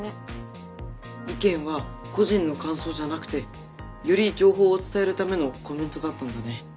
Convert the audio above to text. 意見は個人の感想じゃなくてより情報を伝えるためのコメントだったんだね。